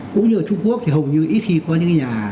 cũng như ở trung quốc thì hầu như ít khi có những cái nhà